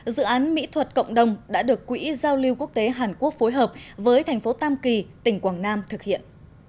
dự án mỹ thuật cộng đồng đã được quỹ giao lưu quốc tế hàn quốc phối hợp với thành phố tam kỳ tỉnh quảng nam thực hiện